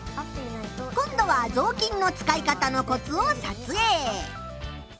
今度はぞうきんの使い方のコツを撮影。